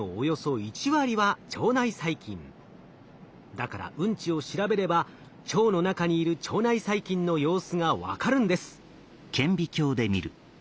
だからうんちを調べれば腸の中にいる腸内細菌の様子が分かるんです。